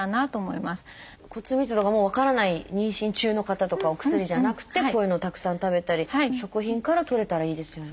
骨密度がもう分からない妊娠中の方とかお薬じゃなくてこういうのをたくさん食べたり食品からとれたらいいですよね。